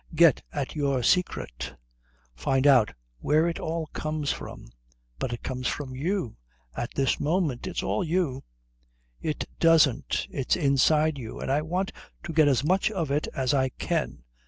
Get at your secret. Find out where it all comes from." "But it comes from you at this moment it's all you " "It doesn't. It's inside you. And I want to get as much of it as I can.